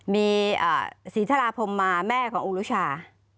มีศรีชาราพรมมาแม่ของอุรุชา